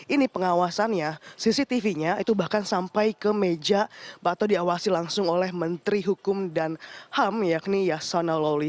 ini pengawasannya cctv nya itu bahkan sampai ke meja atau diawasi langsung oleh menteri hukum dan ham yakni yasona lawli